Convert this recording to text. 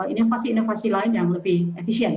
inovasi inovasi lain yang lebih efisien